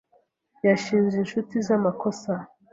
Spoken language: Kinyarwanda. Yashinje inshuti ze amakosa .